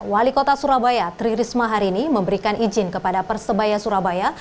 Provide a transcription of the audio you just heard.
wali kota surabaya tri risma hari ini memberikan izin kepada persebaya surabaya